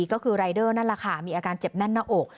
ก็คือรายเดอร์นั่นแหละค่ะมีอาการเจ็บแน่นหน้าอก